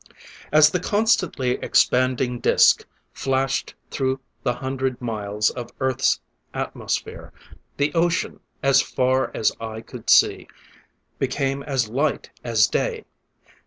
As the constantly expanding disc flashed through the hundred miles of Earth's atmosphere, the ocean, as far as eye could see, became as light as day.